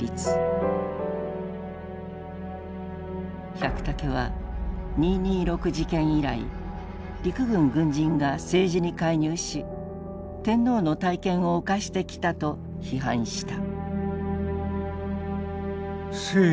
百武は二・二六事件以来陸軍軍人が政治に介入し天皇の大権を侵してきたと批判した。